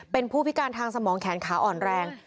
เป็นผู้พิการทางสมองแขนขาอ่อนแรง